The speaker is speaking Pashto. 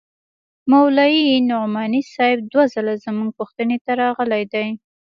مولوي نعماني صاحب دوه ځله زموږ پوښتنې ته راغلى دى.